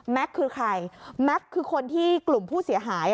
คือใครแม็กซ์คือคนที่กลุ่มผู้เสียหาย